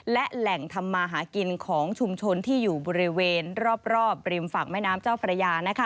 และแหล่งทำมาหากินของชุมชนที่อยู่บริเวณรอบริมฝั่งแม่น้ำเจ้าพระยา